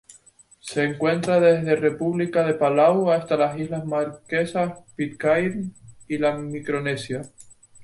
Se encuentra desde República de Palau hasta las Islas Marquesas, Pitcairn y la Micronesia.